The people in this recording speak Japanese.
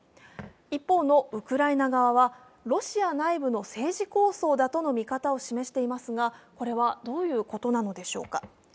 一方のウクライナ側はロシア内部の政治抗争だとの見方を示していますが、これはどういうことなのでしょうか。